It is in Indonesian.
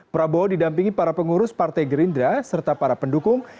prabowo didampingi para pengurus partai gerindra serta para pendukung